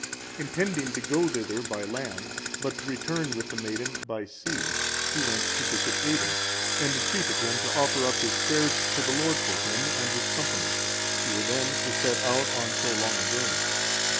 Intending to go thither by land, but to return with the maiden by sea, he went to Bishop Aidan, and entreated him to offer up his prayers to the Lord for him and his company, who were then to set out on so long a journey.